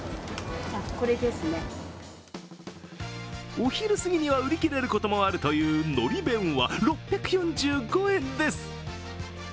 お昼過ぎには売り切れることもあるという、のり弁は６４５円です。